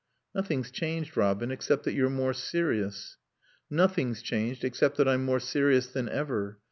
"Nothing's changed, Robin, except that you're more serious." "Nothing's changed, except that I'm more serious than ever....